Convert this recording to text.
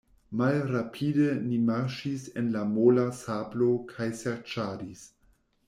Malrapide ni marŝis en la mola sablo kaj serĉadis.